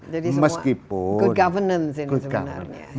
jadi semua good governance ini sebenarnya